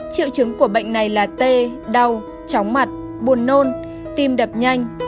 triệu chứng của bệnh này là tê đau chóng mặt buồn nôn tim đập nhanh